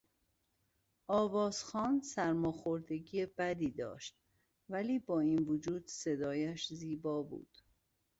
آواز خوان سرماخوردگی بدی داشت ولی با این وجود صدایش زیبا بود.